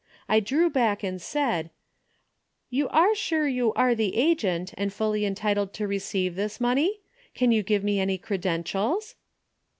I drew back and said ' You are sure you are the agent and fully entitled to receive this money ? Can you give me any credentials